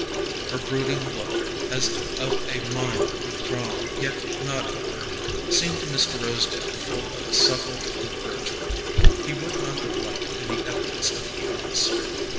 Her brooding look, as of a mind withdrawn yet not averted, seemed to Mr. Rosedale full of a subtle encouragement. He would not have liked any evidence of eagerness.